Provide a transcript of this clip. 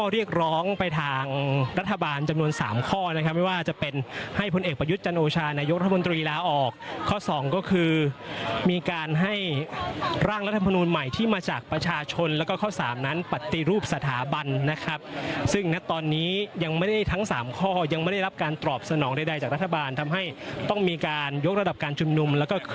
เรียกร้องไปทางรัฐบาลจำนวน๓ข้อนะครับไม่ว่าจะเป็นให้พลเอกประยุทธ์จันโอชานายกรัฐมนตรีลาออกข้อสองก็คือมีการให้ร่างรัฐมนูลใหม่ที่มาจากประชาชนแล้วก็ข้อ๓นั้นปฏิรูปสถาบันนะครับซึ่งณตอนนี้ยังไม่ได้ทั้งสามข้อยังไม่ได้รับการตอบสนองใดจากรัฐบาลทำให้ต้องมีการยกระดับการชุมนุมแล้วก็ค